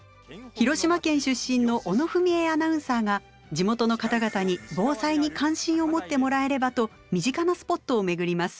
広島県出身の小野文惠アナウンサーが地元の方々に防災に関心を持ってもらえればと身近なスポットを巡ります。